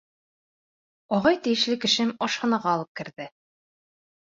Ағай тейешле кешем ашханаға алып керҙе.